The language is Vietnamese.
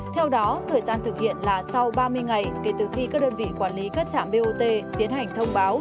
theo đó thời gian thực hiện là sau ba mươi ngày kể từ khi các đơn vị quản lý các trạm bot tiến hành thông báo